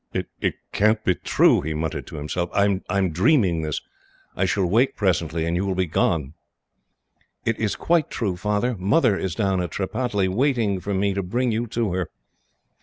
"It can't be true," he muttered to himself. "I am dreaming this. I shall wake presently, and you will be gone." "It is quite true, Father. Mother is down at Tripataly, waiting for me to bring you to her."